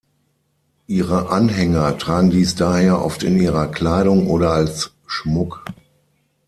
Ihre Anhänger tragen dies daher oft in ihrer Kleidung oder als Schmuck.